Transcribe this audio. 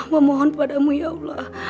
amba mohon padamu ya allah